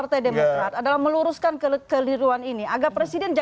tidak mungkin keliru mereka